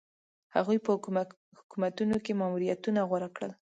هغوی په حکومتونو کې ماموریتونه غوره کړل.